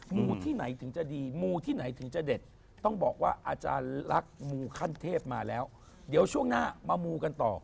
มูที่ไหนถึงจะดีมูที่ไหนถึงจะเด็ดต้องบอกว่าอาจารย์ลักษณ์มูขั้นเทพมาแล้วเดี๋ยวช่วงหน้ามามูกันต่อ